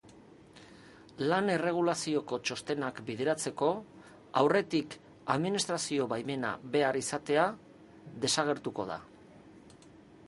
Lan-erregulazioko txostenak bideratzeko, aurretik administrazio-baimena behar izatea desagertuko da.